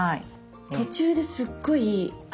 途中ですっごいあ